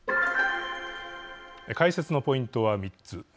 解説のポイントは３つ。